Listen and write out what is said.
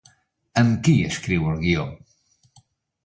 Amb qui escriu el guió?